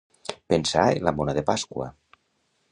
Pensar en la mona de Pasqua.